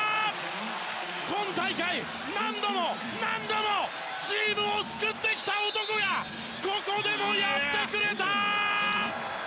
今大会、何度も何度もチームを救ってきた男がここでもやってくれた！